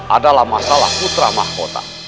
adalah masalah putra mahkota